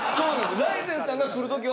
ライセンスさんが来る時は。